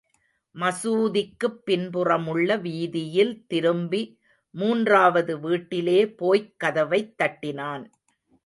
மசூதிக்குப் பின்புறமுள்ள வீதியில் திரும்பி மூன்றாவது வீட்டிலேபோய்க் கதவைத் தட்டினான்.